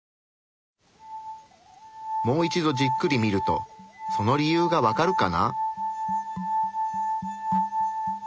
もう一度じっくり見るとその理由がわかるかな？